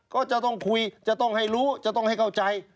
ก็จะต้องคุยจะต้องให้รู้จะต้องให้เข้าใจ